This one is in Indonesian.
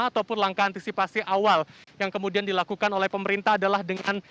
ataupun langkah antisipasi awal yang kemudian dilakukan oleh pemerintah adalah dengan